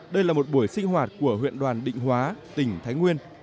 đây là một buổi sinh hoạt của huyện đoàn định hóa tỉnh thái nguyên